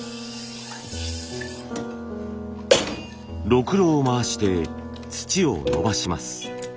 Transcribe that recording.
ろくろを回して土をのばします。